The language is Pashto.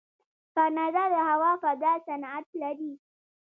کاناډا د هوا فضا صنعت لري.